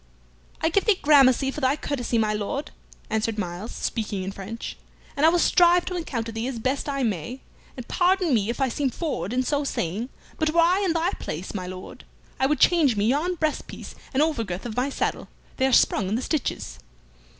"I give thee gramercy for thy courtesy, my Lord," answered Myles, speaking in French; "and I will strive to encounter thee as best I may, and pardon me if I seem forward in so saying, but were I in thy place, my Lord, I would change me yon breast piece and over girth of my saddle; they are sprung in the stitches."